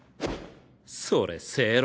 それ正論？